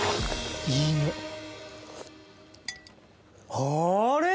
あれ？